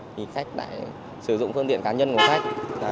thì khách lại sử dụng phương tiện cá nhân của khách